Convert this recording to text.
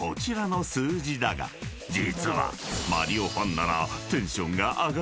［実は］